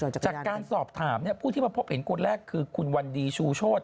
จากการสอบถามผู้ที่มาพบเห็นคนแรกคือคุณวันดีชูโชธ